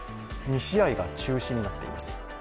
２試合が中止になっています。